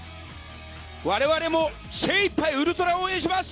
我々も精いっぱいウルトラ応援します！